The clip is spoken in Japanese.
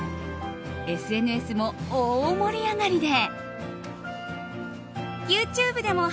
ＳＮＳも大盛り上がりで。